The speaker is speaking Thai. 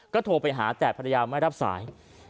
ก็โทรไปหาแต่ภรรยาไม่รับสาย